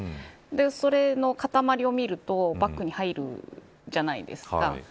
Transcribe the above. それの塊を見るとバッグに入るじゃないですか。